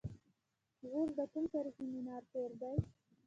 غور د کوم تاریخي منار کور دی؟